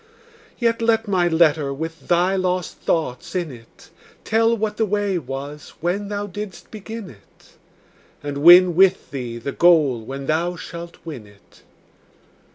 Yet let my letter with thy lost thoughts in it Tell what the way was when thou didst begin it, And win with thee the goal when thou shalt win it.